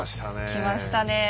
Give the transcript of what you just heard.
きましたねえ。